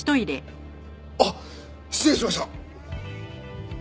あっ失礼しました！